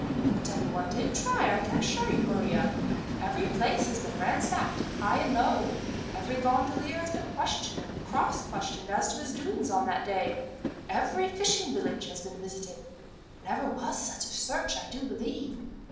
"But everyone did try, I can assure you, Maria. Every place has been ransacked, high and low. Every gondolier has been questioned and cross questioned as to his doings on that day. Every fishing village has been visited. Never was such a search, I do believe.